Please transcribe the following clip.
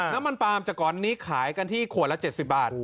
น้ำมันปลามจากก่อนนี้ขายกันที่ขวดละ๗๐บาท